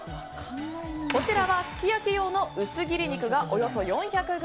こちらはすき焼き用の薄切り肉がおよそ４００ｇ。